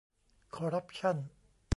คอร์รัปชั่น